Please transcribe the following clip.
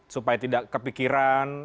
supaya tidak kepikiran